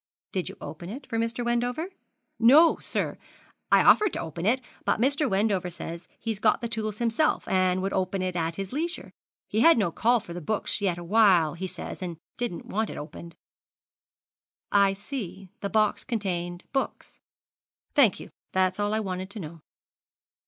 'Did you open it for Mr. Wendover?' 'No, sir; I offered to open it, but Mr. Wendover says he'd got the tools himself, and would open it at his leisure. He had no call for the books yet awhile, he says, and didn't want it opened. 'I see, the box contained books. Thank you, that's all I wanted to know.'